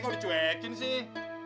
kok dicuekin sih